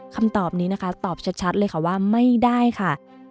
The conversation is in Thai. คำตอบนี้นะคะตอบชัดเลยค่ะว่าไม่ได้ค่ะ